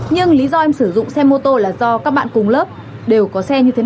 nhưng lý do em sử dụng xe mô tô là do các bạn cùng lớp đều có xe như thế này hết rồi